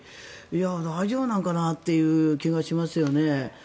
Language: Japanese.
大丈夫なのかなっていう気がしますよね。